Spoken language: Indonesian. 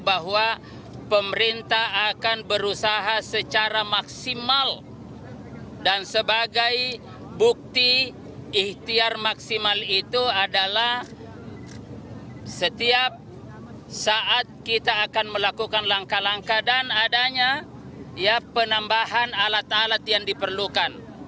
bahwa pemerintah akan berusaha secara maksimal dan sebagai bukti ihtiar maksimal itu adalah setiap saat kita akan melakukan langkah langkah dan adanya penambahan alat alat yang diperlukan